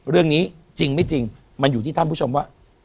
เรื่องนี้จริงไม่จริงมันอยู่ที่ท่านผู้ชมว่า